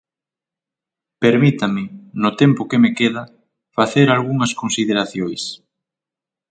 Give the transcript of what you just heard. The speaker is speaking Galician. Permítame, no tempo que me queda, facer algunhas consideracións.